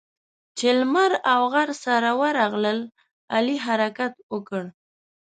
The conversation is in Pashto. چې لمر او غر سره ورغلل؛ علي حرکت وکړ.